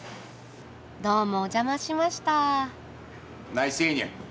どうもお邪魔しました。